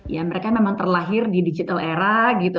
ya mereka memang terlahir di digital era gitu